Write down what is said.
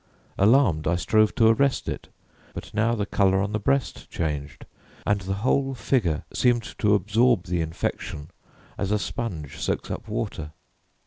Alarmed, I strove to arrest it, but now the colour on the breast changed and the whole figure seemed to absorb the infection as a sponge soaks up water.